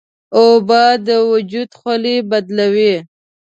اوبه د وجود خولې بدلوي.